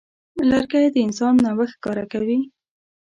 لرګی د انسان نوښت ښکاره کوي.